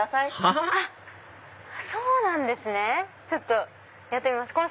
ちょっとやってみます。